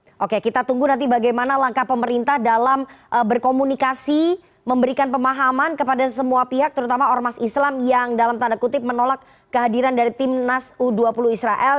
oke kita tunggu nanti bagaimana langkah pemerintah dalam berkomunikasi memberikan pemahaman kepada semua pihak terutama ormas islam yang dalam tanda kutip menolak kehadiran dari timnas u dua puluh israel